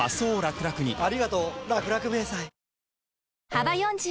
幅４０